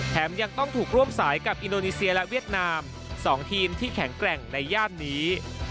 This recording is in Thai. ยังต้องถูกร่วมสายกับอินโดนีเซียและเวียดนาม๒ทีมที่แข็งแกร่งในย่านนี้